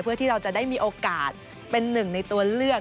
เพื่อที่เราจะได้มีโอกาสเป็นหนึ่งในตัวเลือก